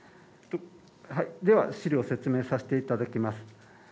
では資料説明させていただきます。